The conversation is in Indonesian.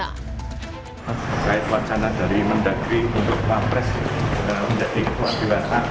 terkait wacana dari mendagri untuk wakil presiden